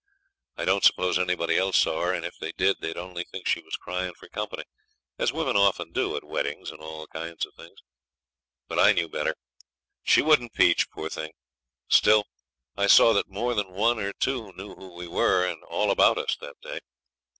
I don't suppose anybody else saw her, and if they did they'd only think she was cryin' for company as women often do at weddings and all kinds of things. But I knew better. She wouldn't peach, poor thing! Still, I saw that more than one or two knew who we were and all about us that day.